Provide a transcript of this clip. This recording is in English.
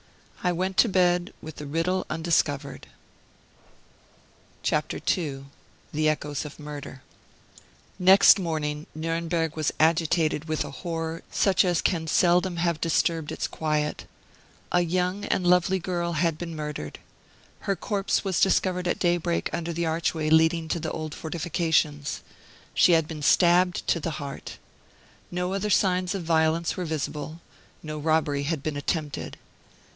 I went to bed with the riddle undiscovered. II THE ECHOES OF MURDER Next morning Nuremberg was agitated with a horror such as can seldom have disturbed its quiet; a young and lovely girl had been murdered. Her corpse was discovered at daybreak under the archway leading to the old fortifications. She had been stabbed to the heart. No other signs of violence were visible; no robbery had been attempted.